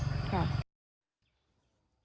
ค่ะ